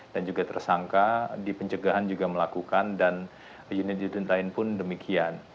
dan juga tersangka dipencegahan juga melakukan dan unit unit lain pun demikian